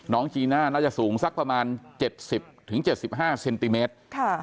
น้องจีน่าน่าจะสูงสักประมาณเจ็ดสิบถึงเจ็ดสิบห้าเซนติเมตร